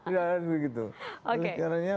ya begitu oke karena